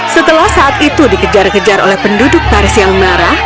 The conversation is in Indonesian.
setelah saat itu dikejar kejar oleh penduduk paris yang marah